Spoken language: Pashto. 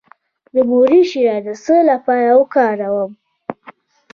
د مولی شیره د څه لپاره وکاروم؟